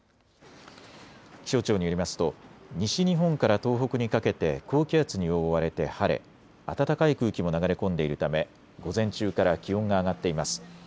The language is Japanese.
気象庁によりますと西日本から東北にかけて高気圧に覆われて晴れ、暖かい空気も流れ込んでいるため午前中から気温が上がっています。